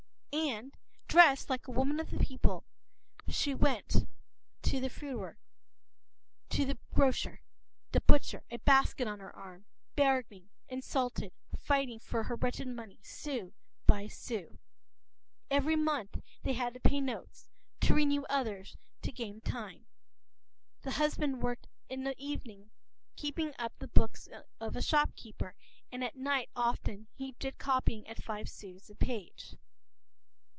And, dressed like a woman of the people, she went to the fruiterer, the grocer, the butcher, a basket on her arm, bargaining, insulted, fighting for her wretched money, sou by sou. Every month they had to pay notes, to renew others to gain time. The husband worked in the evening keeping up the books of a shopkeeper, and at night often he did copying at five sous the page.